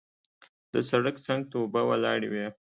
د سړک څنګ ته اوبه ولاړې وې.